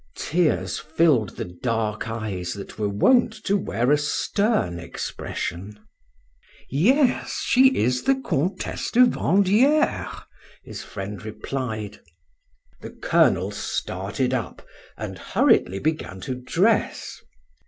Tears filled the dark eyes that were wont to wear a stern expression. "Yes; she is the Comtesse de Vandieres," his friend replied. The colonel started up, and hurriedly began to dress.